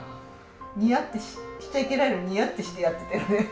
ニヤってしちゃいけないのにニヤってしてやってたよね。